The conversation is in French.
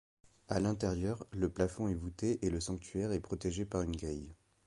À l’intérieur, le plafond est vouté et le sanctuaire est protégé par une grille.